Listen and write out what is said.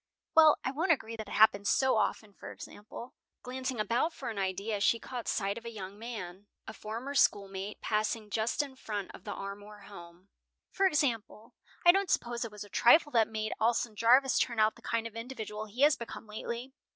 Well, I won't agree that it happens so often. For example," glancing about for an idea, she caught sight of a young man, a former schoolmate, passing just in front of the Armour home, "for example, I don't suppose it was a trifle that made Alson Jarvis turn out the kind of individual he has become lately.